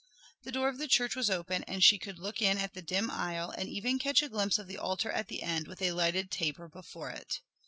The door of the church was open and she could look in at the dim aisle and even catch a glimpse of the altar at the end with a lighted taper before it.